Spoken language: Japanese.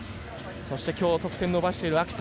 きょう、得点を伸ばしている秋田。